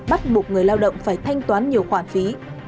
bắt buộc người lao động phải thanh toán nhiều khoản phí